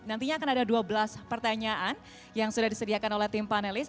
nantinya akan ada dua belas pertanyaan yang sudah disediakan oleh tim panelis